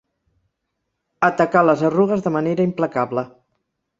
Atacar les arrugues de manera implacable.